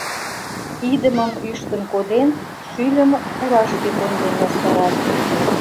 Идымым ӱштын коден, шӱльым пурашке конден ястарат.